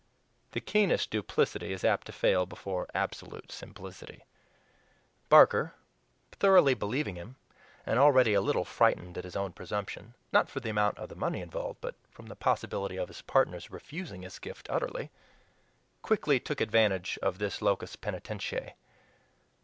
The keenest duplicity is apt to fail before absolute simplicity. Barker, thoroughly believing him, and already a little frightened at his own presumption not for the amount of the money involved, but from the possibility of his partners refusing his gift utterly quickly took advantage of this LOCUS PENITENTIAE.